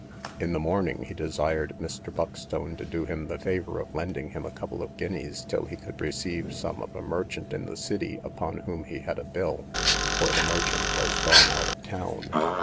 In the morning he desired Mr. Buckstone to do him the favour of lending him a couple of guineas, till he could receive some of a merchant in the city upon whom he had a bill, for the merchant was gone out of town.